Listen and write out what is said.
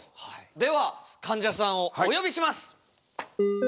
ではかんじゃさんをお呼びします。